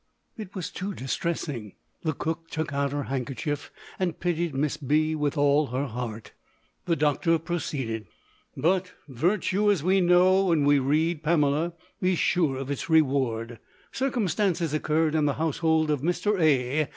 It was too distressing. The cook took out her handkerchief, and pitied Miss B. with all her heart. The doctor proceeded. "But virtue, as we know when we read 'Pamela,' is sure of its reward. Circumstances occurred in the household of Mr. A.